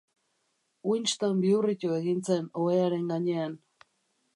Winston bihurritu egin zen ohearen gainean.